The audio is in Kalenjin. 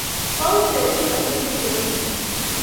Bou tekisto koetu pororiet